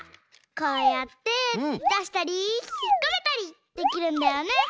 こうやってだしたりひっこめたりできるんだよね。